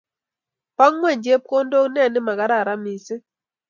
Bo ngweny chepkondok neni makararan misiing